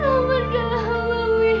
enggak mau berubah